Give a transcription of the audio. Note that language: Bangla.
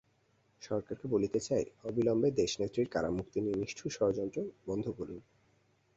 সরকারকে বলতে চাই, অবিলম্বে দেশনেত্রীর কারামুক্তি নিয়ে নিষ্ঠুর ষড়যন্ত্র বন্ধ করুন।